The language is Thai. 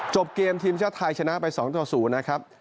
จบเกมทีมชาติไทยชนะไป๒ต่อ๐นะครับ